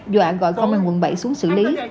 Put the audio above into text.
dọa gọi công an quận bảy xuống xử lý